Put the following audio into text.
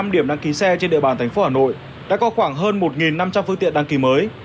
năm điểm đăng ký xe trên địa bàn thành phố hà nội đã có khoảng hơn một năm trăm linh phương tiện đăng ký mới